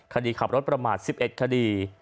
คดีขับรถประมาท๑๑คดี